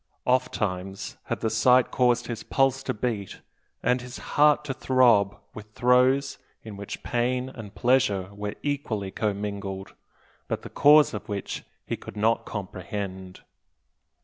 Ofttimes had the sight caused his pulse to beat and his heart to throb with throes in which pain and pleasure were equally commingled, but the cause of which he could not comprehend.